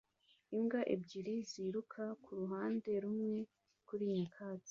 Imbwa ebyiri ziruka kuruhande rumwe kuri nyakatsi